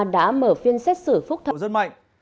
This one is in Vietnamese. đã mở phiên xét xử phúc thẩm